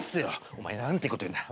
お前何てこと言うんだ。